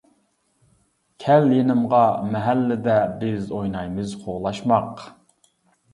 كەل يېنىمغا، مەھەللىدە، بىز ئوينايمىز قوغلاشماق.